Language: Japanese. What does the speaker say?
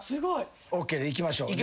ＯＫいきましょう。